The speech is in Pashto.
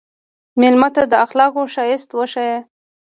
مېلمه ته د اخلاقو ښایست وښیه.